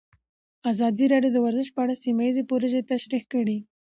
ازادي راډیو د ورزش په اړه سیمه ییزې پروژې تشریح کړې.